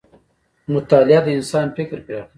مطالعه د انسان فکر پراخوي.